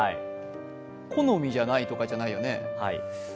好みじゃない、とかじゃないよね。